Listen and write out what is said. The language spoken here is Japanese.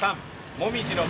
もみじの「も」